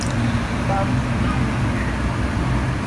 Bam i nlôl i e.